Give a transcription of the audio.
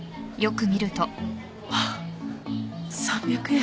あっ３００円。